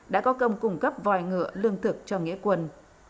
đã có công cung cấp vài ngựa lương thực cho nghĩa quân